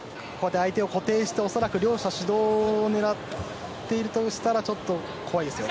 相手を固定して両者指導を狙っているとしたら怖いですよ。